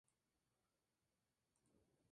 Falleció en el hospital Virgen del Rocío, de Sevilla.